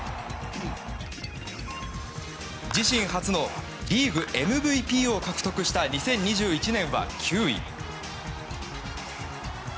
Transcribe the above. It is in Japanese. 自身初のリーグＭＶＰを獲得した２０２１年は９位。